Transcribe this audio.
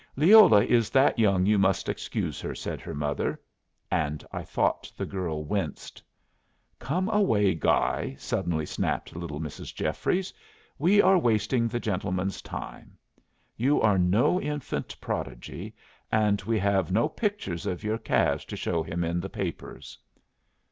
"Leola is that young you must excuse her," said her mother and I thought the girl winced. "Come away, Guy," suddenly snapped little Mrs. Jeffries. "We are wasting the gentleman's time. You are no infant prodigy, and we have no pictures of your calves to show him in the papers."